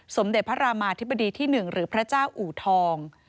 สมเด็จพระรามาธิบดีที่๑หรือพระเจ้าอูทอง